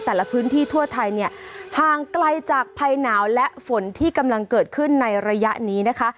แต่ละพื้นที่ทั่วไทยเนี่ยห่างไกลจากภัยหนาวและฝนที่กำลังเกิดขึ้นในระยะนี้นะคะ